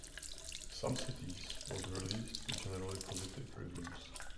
"Some Cities" was released to generally positive reviews.